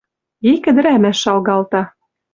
Ик ӹдӹрӓмӓш шалгалта.